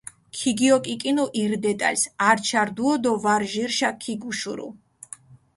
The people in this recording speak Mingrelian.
ქიგიოკიკინუ ირ დეტალს, ართშა რდუო დო ვარ ჟირშა ქიგუშურუ.